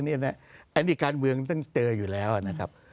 อันนี้การเมืองต้องเจออยู่แล้วนะครับ